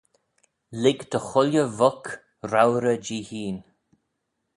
Lhig dy chooilley vuck reuyrey jee hene